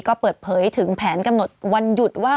ก็เปิดเผยถึงแผนกำหนดวันหยุดว่า